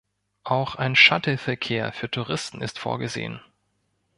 Auch ein Shuttle-Verkehr für Touristen ist vorgesehen.